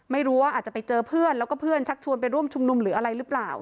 ไม่รู้ว่าอาจจะไปเจอเพื่อนแล้วก็เพื่อนชักชวนไปร่วมชุมนุมหรืออะไรหรือเปล่า